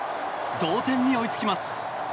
同点に追いつきます。